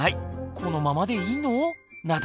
このままでいいの⁉など。